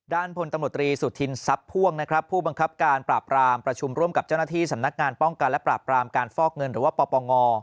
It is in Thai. พลตำรวจตรีสุธินทรัพย์พ่วงนะครับผู้บังคับการปราบรามประชุมร่วมกับเจ้าหน้าที่สำนักงานป้องกันและปราบปรามการฟอกเงินหรือว่าปปง